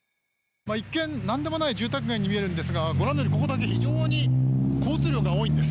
一見、何でもない住宅街に見えるんですがご覧のように、ここだけ非常に交通量が多いんです。